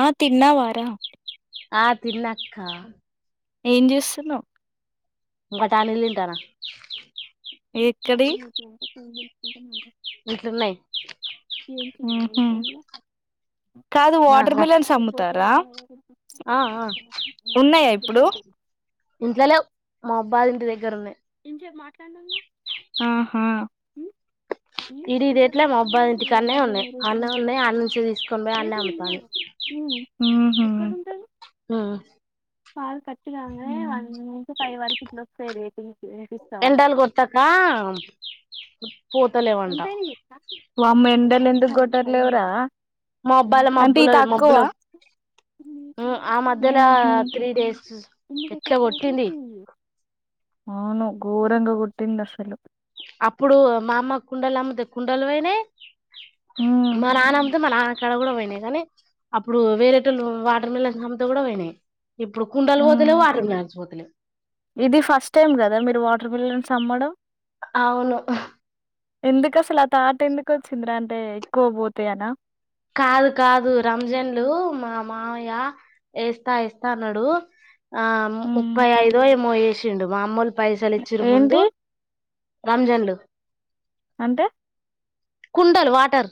ఆ తిన్నావా రా ఆ తిన్నాక్క ఏం చేస్తున్నావు బఠాణీలు తింటన్న ఎక్కడివి [inaudible] ఇంట్లో ఉన్నాయి ఉహూ కాదు మా వాటర్ మిలన్స్ అమ్ముతారా ఆ ఆ ఉన్నాయా ఇప్పుడు ఇంట్లో లెవ్ మా ఆబ్బా వాళ్ళ ఇంటి దగ్గర ఉన్నాయి ఇంచేపు మాట్లాడినం గా ఆహా ఇడిదిట్లే మా అబ్బ ఇంటికి కాడా నే ఉన్నాయి అన్నే ఉన్నాయి అన్న నుంచి తీసుకొని పోయి అన్నే అమ్ముతాను ఉహు ఆ కాల్ కట్ కంగనే వన్ంచి ఫైవ్ వరకు ఇట్లా వస్తాయి రేటింగ్ ఎంటాలు [unintelligible] వామ్మో ఎండలు ఎందుకు కొట్టర్లేవరా మా అబ్బాయిల అంటే మబ్బులో ఈ తక్కువ మబ్బులో ఉమ్ ఆ మధ్యలో ఉహు త్రీ డేస్ ఎట్లా కొట్టింది అవును గోరంగ కొట్టింది అసలు అప్పుడు మా అమ్మ కుండలు అమ్మితే కుండలు పోయినాయి ఉ మా నాన్న అమ్మితే మ నా అక్కడ కూడా పోయినాయి గానీ అప్పుడు వేరేటోల్లు వాటర్ మిలన్ కూడా పోయినాయి. ఇప్పుడు కుండలు ఉ పోతలేవ్ వాటర్ మిలన్ పోతలేవ్ ఇది ఫస్ట్ టైమ్ కదా మీరు వాటర్ మిలన్ అమ్మడం అవును ఎందుకు అసలు ఆ తాట్ ఎందుకు వచ్చిందరా అంటే ఎక్కువ పోతాయనా కాదు కాదు రంజన్లు మా మామయ్య వేస్తా వేస్తా అన్నాడు ఆ హ్మ్. ముప్పై ఐదు ఏమో వచ్చిండు మా అమ్మోల్లు పైసలిచ్చురు ముందు ఏంటి రంజన్లు అంటే కుండలు వాటర్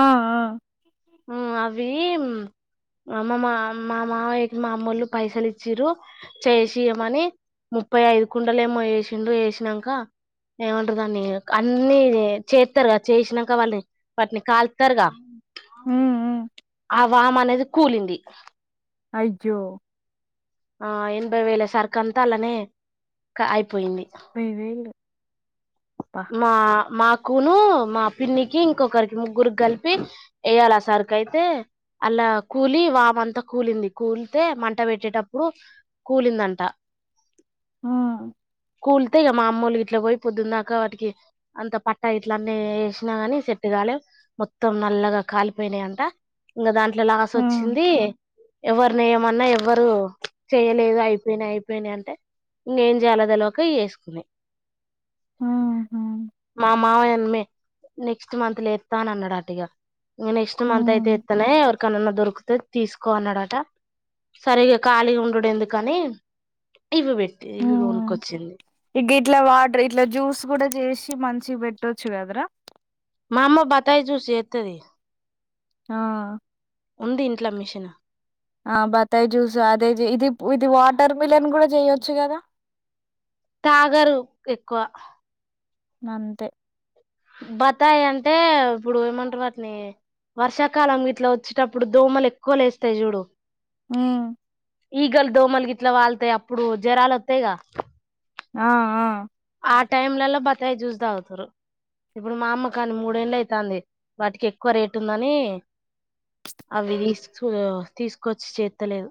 ఆ ఆ ఆ అవి మా మా మా మామయ్య మా అమ్మళ్ళు పైసలు ఇచ్చ్ర చేసియమని ముప్పై ఐదు కుండలు ఏమో చేసిండు వేసినంక ఏమంటారు దాన్ని అన్ని చేత్తరుగాద చేసినాక వాళ్ళని వాటిని కాల్తారుగా హ్మ్. హ్మ్. ఆ వామ అనేది కూలింది అయ్యో ఆ ఎంభై వేళ సర్కంతలనే అయిపో పైవేలు మా మాక్ కూను మా పిన్నికి ఇంకొకరికి ముగ్గురికి కలిపి వేయాలి ఆ సరికి అయితే అలా కూలి వామ అంతా కూలింది కూలితే మంట పెట్టేటప్పుడు కూలిందంట ఆ కూల్తే ఇగ మా అమ్మోళ్ళు ఇట్ల పోయి పొద్దుందాక వాటికి కి అంత పట్టా ఇట్లన్న వేసినా ని సట్టుగాాల మొత్తం నల్లగా కాలిపోయినాయంట ఇంకా దాంట్ ఇట్ల లాస్ హ్మ్. వచ్చింది ఎవరిని ఏమన్నా ఎవ్వరు చేయలేదు అయిపోయినా అయిపోయినాయి అంటే ఇంకేం చేయాల తెలోక చేసుకున్నాము ఆ మా మావయనమే నెక్స్ట్ మంత్ ల ఏత్త అన్నాడట ఇగ ఇ నెక్స్ట్ మంత అయితే హ్మ్. ఏత్తలే ఎవరికనన్నా దొరుకుతు తీసుకో అన్నాడట సరే ఇగ ఖాళీగా ఉండుడు ఎందుకని ఇవి పెట్టి ఇవి కొనుక్కొచ్చింది ఇగిట్లా వాటర్ ఇట్లా జ్యూస్ కూడా చేసి మంచి పెట్టొచ్చు కదరా మా అమ్మ బత్తయి జూస్ చేత్తది ఆ ఉంది ఇంట్లో మిషన్ ఆ బత్తాయి జ్యూస్ అదే ఇది ఇది వాటర్ మిలన్ కూడా చెయ్యొచ్చు కదా తాగరు ఎక్కువ అంతే బతాయి అంటే ఇప్పుడు ఏమంటారు వాటిని వర్షాకాలం ఇట్లా వచ్చేటప్పుడు దోమలు ఎక్కువ లేస్తాయి చూడు మ్మ్ ఈగల్ దోమలు గిట్ల వాళ్తే అప్పుడు జ్వరాలు వత్తాయిగా ఆ ఆ ఆ టైంలలో బత్తాయి చూసి తాగుతురు ఇప్పుడు మా అమ్మ కాని మూడేళ్ళు అయితుంది వాటికి ఎక్కువ రేట్ ఉందని అవి తీసుకు తీసుకొచ్చి చేత్తలేదు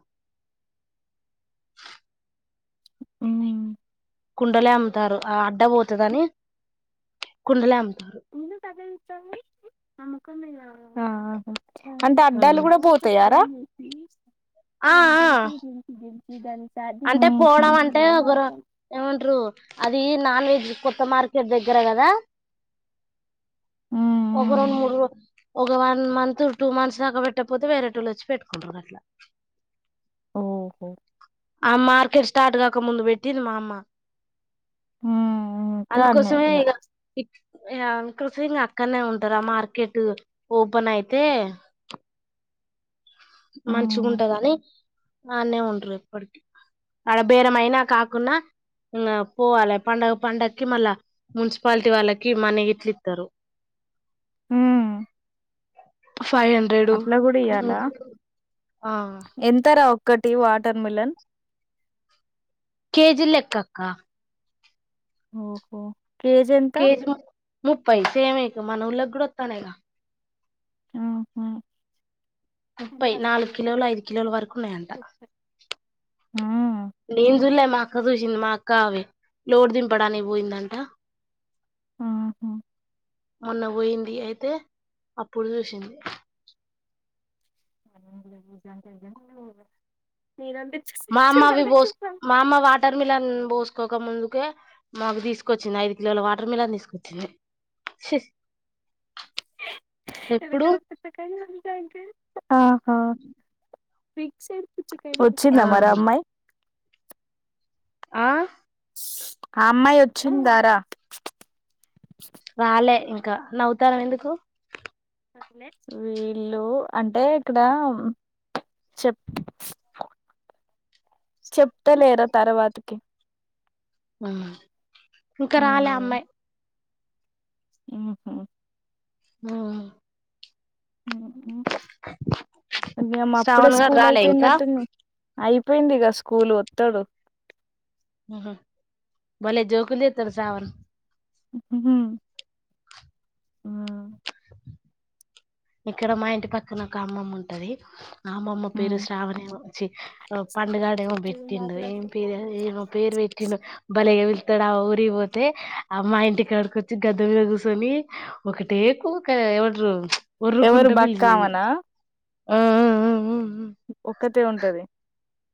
మ్మ్ కుండలే అమ్ముతారు ఆ అడ్డ పోతదని కుండలే అమ్ముతారు నిందు తదలి ఆ అంటే అడ్డాలు కూడా పోతాయారా నీ ఆ సన్ ఆ దిళ్పి దిళ్పి దిళ్ ఇదం అంటే పోవడం అంటే ఒకరు ఏమంటారు, అది నాన్ వెజ్ కొత్త మార్కెట్ దగ్గర కదా ఒకరోన్ ముడు ఒక వన్ మంత్ టూ మంత్ దాకా పెట్టకపోతే, వేరేటోలోచ్చి పెట్టుకుంటారు అట్లా ఓహో ఆ మార్కెట్ స్టార్ట్ కాక ముందు పెట్టింది మా అమ్మ ఇంకా అన్నీ అందుకోసమే ఇగ ఏం కృసింగ్ అక్కనే ఉంటారు, ఆ మార్కెట్ ఓపెన్ అయితే మంచిగుంటదని అన్నే ఉంటరు ఎప్పటికి, అడ బేరమయినా కాకున్నా ఇంగ పోవాలి పండగ పండగకి మళ్ళా మున్సిపాలిటీ వాళ్ళకి మనీ గిట్లా ఇస్తరు మ్మ్ ఫైవ్ హండ్రెడు, ఆ ఎంతరా ఒక్కటి వాటర్ మిలన్ కేజీ లెక్క అక్క ఓహో కేజీ ఎంత కేజీ ముప్పై సేమే మనవుల్లగూడ వత్తన్నయ్ గా ముప్పై, నాలుగు కిలోలు ఐదు కిలోలు వరకు ఉన్నాయంట అక్క చూసింది మా అక్క అవి లోడ్ దింపడానికి పోయిందంట ఆహా మొన్న పోయింది అయితే, అప్పుడు చూసింది [inaudible] మమ్మా అవి బోస్ మమ్మా వాటర్మిలన్ బోస్ తీసుకోక ముందుకే మాకు తీసుకొచ్చింది ఐదు కిలోల వాటర్ మిలాన్ తీసుకొచ్చింది ఎప్పుడు ఆహా ఫిక్స్డ్ ఆ వచ్చిందా మరి అమ్మాయి ఆ ఆ అమ్మాయి వచ్చిందారా రాలే ఇం ఇంకా, నవ్వుతానవ్ ఎందుకు వీళ్ళు అంటే ఇక్కడ, చెప్ చెప్తలేరా తర్వాతకి ఆ ఇంకా రాలే అమ్మాయి ఉ హ్ ఆ అేమ్ [unintelligible] అప్పుడే శ్రావణ్ గాడు స్కూల్ రాలే ఇంకా అయిపోయిందట్టుంది అయి అయిపోయింది ఇక స్కూల్ వత్తడు హ భలే జోకులేతడు శ్రావణ్ ఆ ఇక్కడ మా ఇంటి పక్కన ఒక అమ్మమ్మ ఉంటది అమ్మమ్మ పేరు శ్రావణ్ ఏమో చ్చి పండుగాడేమో పెట్టిండు ఏం పేరు ఏమో పేరు పెట్టిండు బలేగ పిలు అక్కడ ఆ ఊరిగిపోతే ఆ మా ఇంటి కాడికొచ్చి గద్దె మీద కూచొని ఒకటే కూక ఎమంటరు ఎవరు బక్క ఆమెనా ఆ ఆ ఆఅ ఓ ఒక్కతే ఉంటది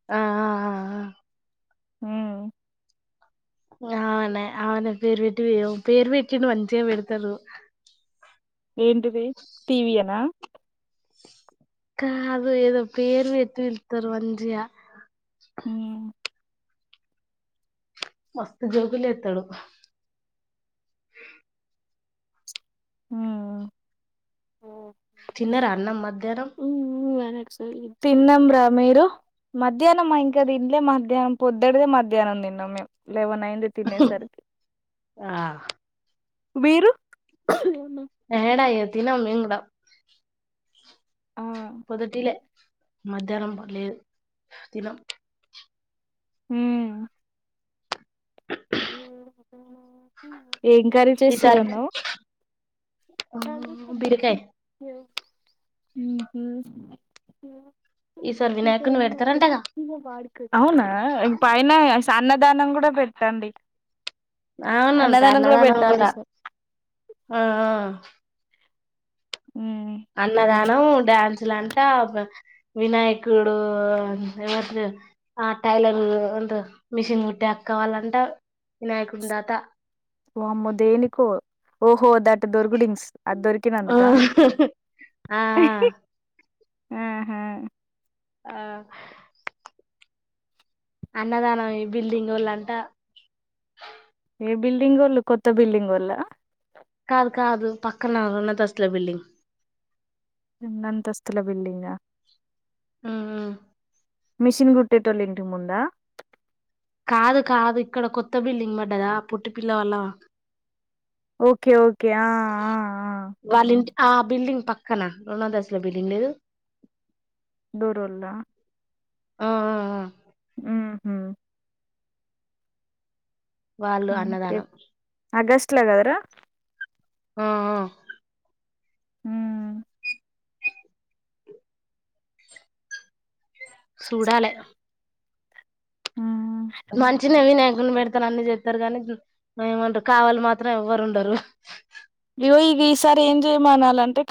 ఆ హ అవున అవునా పేరు పెట్టి పేరు పెట్టిని మంచిగా పెడతారు [unintelligible] ఏంటిది టీవీయనా కాదు ఏదో పేరు పెట్టి పిలుతరు మంచిగ ఉ మస్త్ జోకులు ఎత్తడు ఆ తిన్నారా అన్నం మధ్యాహ్నం తిన్నంరా మీరు మధ్యాహ్నమా ఇంకా తినలే మధ్యాహ్నం పొద్దుటిదే మధ్యాహ్నం తిన్నాం మేము లెవెన్ అయింది తినేసరికి ఆ మీరు యాడ తినమ్ మేము కూడ ఆ [inaudible] పొదుటిలే మధ్యాహ్నం లేదు తినం హ అ [inaudible] ఈసారి బిరకాయ ఊహూ [unintelligible] ఈసారి వినాయకుని పెడతారంటగా అవునా పైనా అన్నదానం కూడా పెట్ట రండి అవును అంట అన్నదానం కూడా సార్ ఆ ఆ మ్మ్ అన్నదానం డ్యాన్స్ లంట వినాయకుడు ఎవర్ ఆ టైలర్ అ మిషన్ కట్టే అక్కవాలంట వినాయకుడి తాత ఓ అమ్మో దేనికో ఓ హో దట్ దొరకు ఇన్స్ అదిొరికినా అందుక ఆ ఆ ఆ హా ఆ అన్నదానం ఈ బిల్డింగ్ ఓళ్ళంటా బిల్డింగ్ ఒళ్ళు కొత్త బిల్డింగ్ ఒళ్ళ క కాదు పక్కన ఉన్నదిస్లు బిల్డింగ్ చిన్నంతస్తుల బిల్డింగ్ ఆ ఆ ఆ మిషన్ గుట్టేటోళ్ళు ఇంటి ముందా కాదు కాదు ఇక్కడ కొత్త బిల్డింగ్ పడ్డదా పుట్టి పిల్ల వల్ల ఓకే ఓకే ఆ ఆ వాళ్ళ ఇంటి ఆ బిల్డింగ్ పక్కన రెండు అంతస్తుల బిల్డింగ్ లేదు దూరూళ్ళ ఆ ఆ ఊహూ వాళ్ళు అన్నదానం ఆగస్ట్ ల కదరా ఆ ఆ హ చూడాలే హ్మ్ మంచిిన వినాయ ప పెడతాను అన్ని చెప్తారు కాగానీ ఏమంటారు కావాలి మాత్రం ఎవ్వరు ఉండరు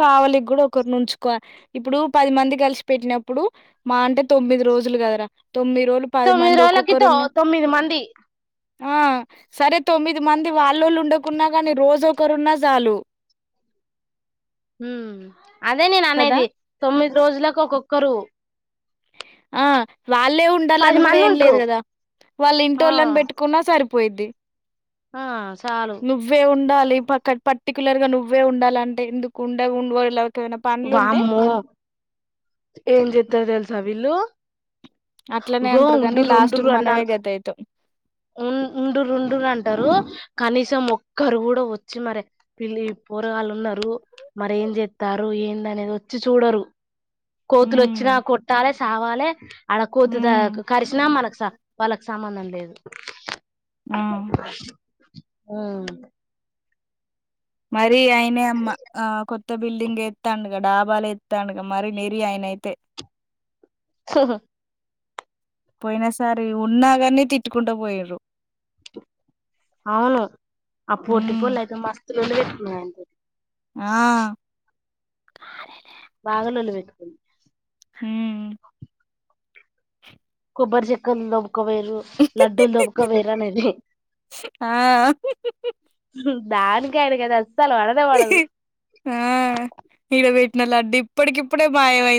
కావలిికి కూడా ఒకరిరు నుంచుకో ఇప్పుడు పది మంది కలిసి పెట్టినప్పుడు మా అంటే తొమ్మిది రోజులు కదరా తొమ్మిది రోజులు పది తొమ్మిది మంది రోజులకి తో ఒక్కొక్కరున్న తొమ్మిది మంది ఆ సరే తొమ్మిది మంది వాళ్ళళుండకున్నా కగాని రోజు ఒకరున్న చాలు ఉ అదే నేను కదా అనేది తొమ్మిది రోజులకు ఒక్కొక్కరు ఆ వాళ్ళే పది ఉండాలని కూడా మంది ఏం ఉంట్రు లేదు కదా వాళ్ళ ఇంటి ఆ ఓళ్ళని పెట్టుకున్నా సరిపోయిద్ది ఆ చాలు ఈ పక్క పర్టికులర్ గా నువ్వే ఉండాలంటే ఎందుకు ఉండ ఉ వామ్మో ఏం చెప్తారు తెలుసా వీళ్ళు అట్లనే ఈగో అంటారు కానీ లాస్ట్ కు ఉండుండురు అన్నా మనమే గతి అయితాం ఉ ఉండు రండు అంటారు కనీసం ఒక్కరు కూడా వచ్చి మరి పిల్లి పూరగాళ్ళు ఉన్నారు మర ఏం చెస్తారు ఏంద అనేది వచ్చి చూడరు కోతులు హ్మ్ వచ్చినా కొట్టాలే కావాలి అడ కోతుద ఉమ్ కరిసిన మనక్స [unintelligible] సంబంధం లేదు ఆ అవును నై మీ ఆయనే అమ్మ ఆ కొ కొత్త బిల్డింగ్ ఎత్తాండుగా డాబాలు ఎత్తాండుగా మరి నెరి ఆయన అయితే సహ పోయిన సారి ఉన్నా గాని తిట్టుకుంటా పోయిండ్రు అవును అప్పుటిపోలేక మస్త్ రెండు పెట్టుకున్నవేంటి ఆ బాగాలొల్లి పెట్టుకుంది హ్మ్ కొబ్బరి చె క్కల లో ఒక వేరు లడ్డూలు దొకవేరు అనేది ఆ దానికి ఆయనకి అది అస్సలు పడదే పడదు. నా లడ్డు ఇప్పటికిప్పుడే మాయమై